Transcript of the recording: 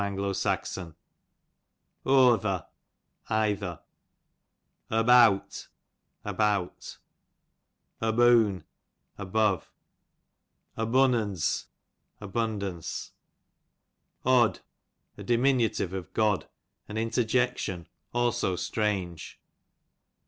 Gather, either. Obeawt, about. Oboon, above. Obannunze, abundance. Od, a diminutive of God, an interjection ; also strange.